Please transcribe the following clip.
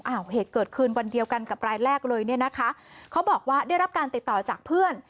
เหตุเกิดขึ้นวันเดียวกันกับรายแรกเลยเนี่ยนะคะเขาบอกว่าได้รับการติดต่อจากเพื่อน